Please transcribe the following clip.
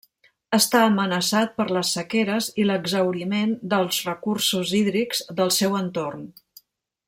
Està amenaçat per les sequeres i l'exhauriment dels recursos hídrics del seu entorn.